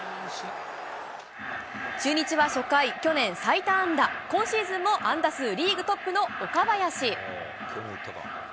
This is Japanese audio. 中日は初回、去年、最多安打、今シーズンも安打数リーグトップの岡林。